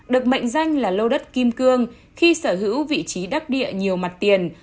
được mệnh danh là lô đất kim cương khi sở hữu vị trí đắc địa nhiều mặt tiền